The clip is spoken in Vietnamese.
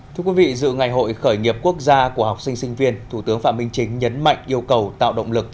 thưa quý vị dự ngày hội khởi nghiệp quốc gia của học sinh sinh viên thủ tướng phạm minh chính nhấn mạnh yêu cầu tạo động lực